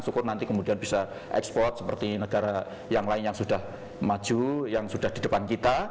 syukur nanti kemudian bisa ekspor seperti negara yang lain yang sudah maju yang sudah di depan kita